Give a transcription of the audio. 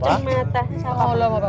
ada kucing kucing mata